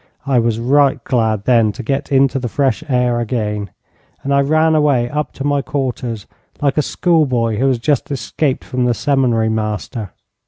I was right glad then to get into the fresh air again, and I ran away up to my quarters like a schoolboy who has just escaped from the seminary master.